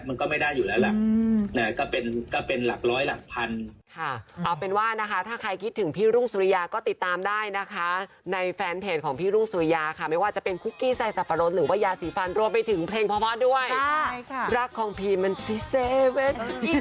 มันก็ไม่ได้อยู่แล้วแหละก็เป็นหลักร้อยหลักพัน